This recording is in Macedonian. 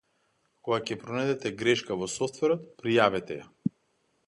Кога ќе пронајдете грешка во софтверот, пријавете ја.